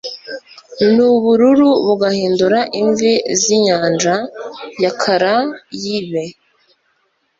n'ubururu bugahinduka imvi z'inyanja ya karayibe